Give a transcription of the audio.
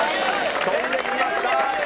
跳んでみました。